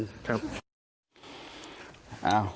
ครับ